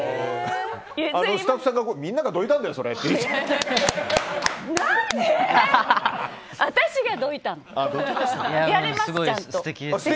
スタッフさんがみんながどいたんだよ、それって。